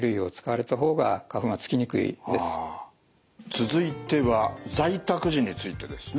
続いては在宅時についてですね。